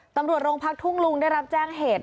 ตำรวจโรงพักทุ่งลุงได้รับแจ้งเหตุ